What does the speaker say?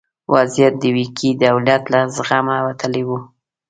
وضعیت د ویګي دولت له زغمه وتلی و.